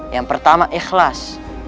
yang pertama ikhlas